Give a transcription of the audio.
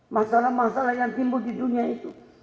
masalah masalah yang timbul di dunia itu